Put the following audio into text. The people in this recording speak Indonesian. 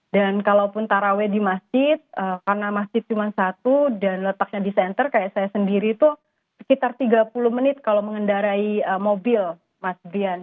dan kalaupun tarawih di masjid karena masjid cuma satu dan letaknya di center kayak saya sendiri itu sekitar tiga puluh menit kalau mengendarai mobil mas brian